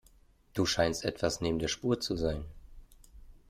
Du schienst etwas neben der Spur zu sein.